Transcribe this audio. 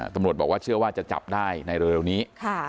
ตำรวจบอกว่าเชื่อว่าจะจับได้ในเร็วนี้